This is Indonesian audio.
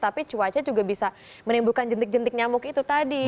tapi cuaca juga bisa menimbulkan jentik jentik nyamuk itu tadi